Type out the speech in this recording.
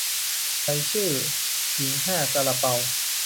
ใช้ชื่อ "หญิงห้าซาลาเปา"